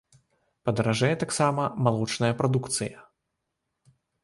Падаражэе таксама малочная прадукцыя.